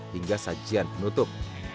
hingga sajian penutup